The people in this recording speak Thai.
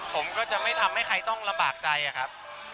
ผมก็จะไม่ทำให้ใครต้องลำบากใจอะครับ